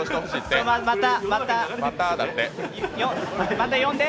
また、呼んで。